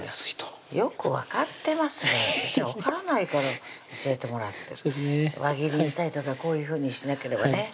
私ら分からないから教えてもらって輪切りにしたりとかこういうふうにしなければね